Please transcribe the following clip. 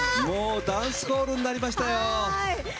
ダンスホールになりましたよ。